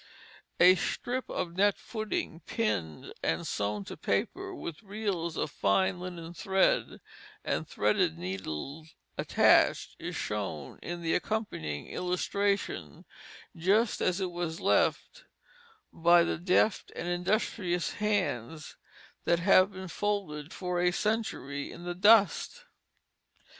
A strip of net footing pinned and sewn to paper, with reels of fine linen thread and threaded needle attached, is shown in the accompanying illustration just as it was left by the deft and industrious hands that have been folded for a century in the dust.